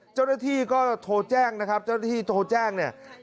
เจ้าหน้าที่ก็โทรแจ้งนะครับเจ้าหน้าที่โทรแจ้งเนี่ย